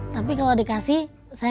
tapi kalau dikasih saya